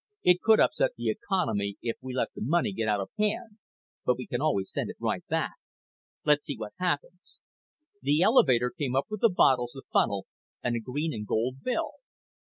"It could upset the economy if we let the money get out of hand. But we can always send it right back. Let's see what happens." The elevator came up with the bottles, the funnel and a green and gold bill.